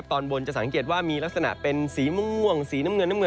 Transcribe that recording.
ตอนบนจะสังเกตว่ามีลักษณะเป็นสีม่วงสีน้ำเงินน้ำเงิน